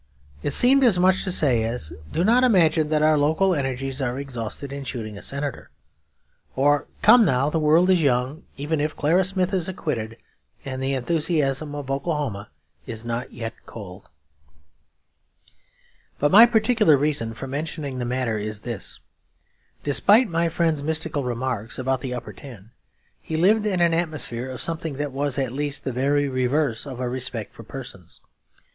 It seemed as much as to say, 'Do not imagine that our local energies are exhausted in shooting a Senator,' or 'Come, now, the world is young, even if Clara Smith is acquitted, and the enthusiasm of Oklahoma is not yet cold.' But my particular reason for mentioning the matter is this. Despite my friend's mystical remarks about the Upper Ten, he lived in an atmosphere of something that was at least the very reverse of a respect for persons.